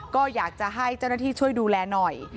ก็อยากจะให้เจ้าหน้าที่ช่วยดูแลหน่อย